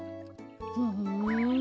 ふん。